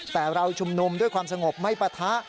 แต่เราชุมนุมด้วยความสงบไม่ปะทะ